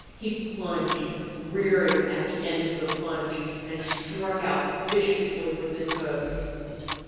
He plunged, rearing at the end of the plunge, and struck out viciously with his hoofs.